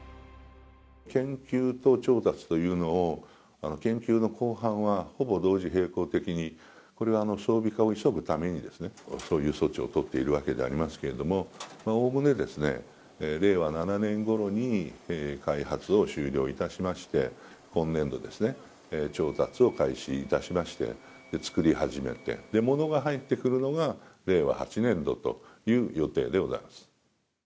研究と調達というのを、研究の後半はほぼ同時並行的に、これは装備化を急ぐために、そういう措置を取っているわけでありますけれども、おおむね令和７年ごろに開発を終了いたしまして、今年度、調達を開始いたしまして、造り始めて、ものが入ってくるのが令和８年度という予定でございます。